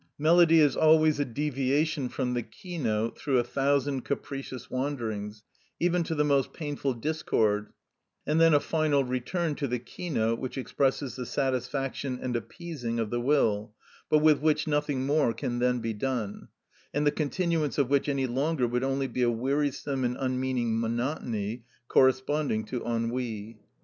Melody is always a deviation from the keynote through a thousand capricious wanderings, even to the most painful discord, and then a final return to the keynote which expresses the satisfaction and appeasing of the will, but with which nothing more can then be done, and the continuance of which any longer would only be a wearisome and unmeaning monotony corresponding to ennui.